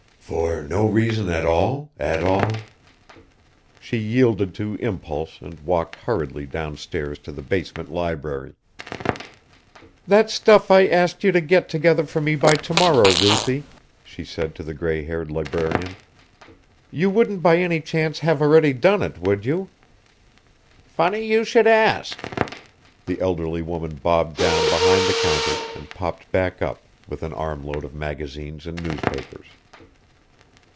For no reason at all, at all....) She yielded to impulse and walked hurriedly downstairs to the basement library. "That stuff I asked you to get together for me by tomorrow, Ruthie," she said to the gray haired librarian. "You wouldn't by any chance have already done it, would you?" "Funny you should ask." The elderly woman bobbed down behind the counter and popped back up with an armload of magazines and newspapers.